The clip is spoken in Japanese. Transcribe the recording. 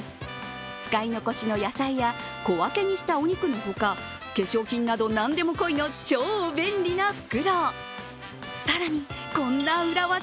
使い残しの野菜や小分けにしたお肉のほか、化粧品など何でもこいの超便利な袋。